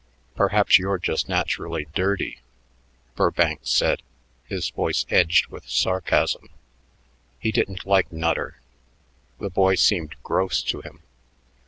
"Perhaps you're just naturally dirty," Burbank said, his voice edged with sarcasm. He didn't like Nutter. The boy seemed gross to him.